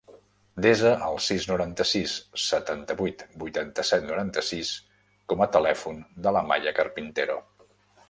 Desa el sis, noranta-sis, setanta-vuit, vuitanta-set, noranta-sis com a telèfon de l'Amaya Carpintero.